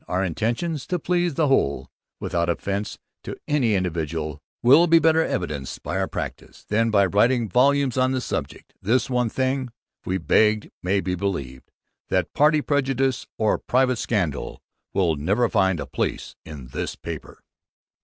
Our Intentions to please the Whole, without offence to any Individual, will be better evinced by our practice, than by writing volumes on the subject. This one thing we beg may be believed, that PARTY PREJUDICE, or PRIVATE SCANDAL, will never find a place in this PAPER.